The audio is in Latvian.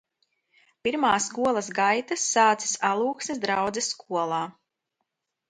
Pirmās skolas gaitas sācis Alūksnes draudzes skolā.